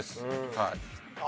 はい。